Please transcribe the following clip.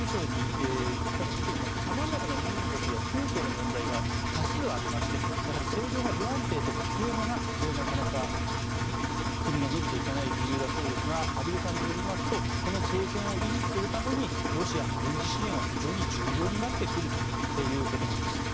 更に見てみますと様々な民族や宗教の問題が多数ありましてやはり政情が不安定というのがなかなか、国が伸びていかない理由だそうですが畔蒜さんによりますとこの政権を維持するためにロシアの軍事支援は非常に重要になってくるということなんです。